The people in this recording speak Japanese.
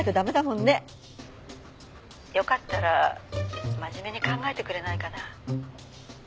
「よかったら真面目に考えてくれないかな？」